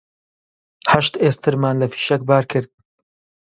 هەشت ئێسترمان لە فیشەک بار کرد